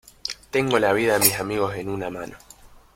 tengo la vida de mis amigos en una mano